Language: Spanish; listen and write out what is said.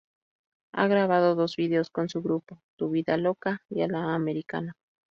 Ha grabado dos vídeos con su grupo, ¨Tu vida loca¨ y ¨A la americana¨.